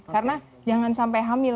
karena jangan sampai hamil